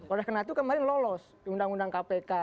oleh karena itu kemarin lolos di undang undang kpk